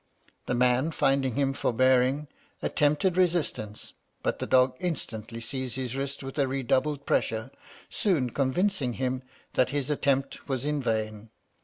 The man, finding him forbearing, attempted resistance; but the dog, instantly seizing his wrist with redoubled pressure, soon convinced him that his attempt was in vain.